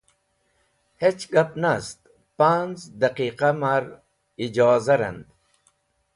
Hech gap nast, panz̃ daqiqa ma’r ijoza rand.